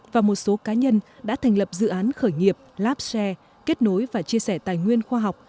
và một số cá nhân đã thành lập dự án khởi nghiệp labshare kết nối và chia sẻ tài nguyên khoa học